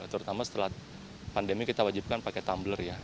terutama setelah pandemi kita wajibkan pakai tumbler ya